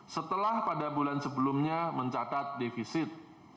setelah pada bulan sebelumnya mencatat defisit